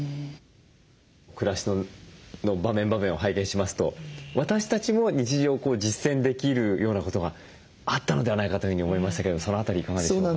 暮らしの場面場面を拝見しますと私たちも日常実践できるようなことがあったのではないかというふうに思いましたけどその辺りいかがでしょうか？